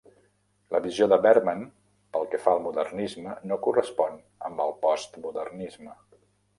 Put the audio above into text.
La visió de Berman pel que fa al modernisme no correspon amb el post-modernisme.